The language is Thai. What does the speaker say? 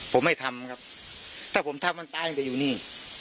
ผมไม่ทำครับถ้าผมทำมันตายจะอยู่นี่